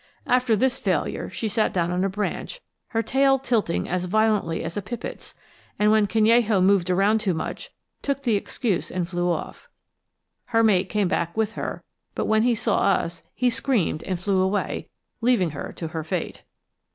After this failure she sat down on a branch, her tail tilting as violently as a pipit's, and when Canello moved around too much, took the excuse and flew off. Her mate came back with her, but when he saw us, he screamed and flew away, leaving her to her fate.